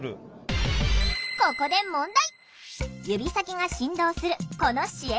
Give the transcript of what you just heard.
ここで問題！